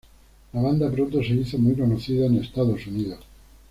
La banda pronto se hizo muy conocida en Estados Unidos.